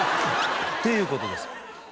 っていう事です。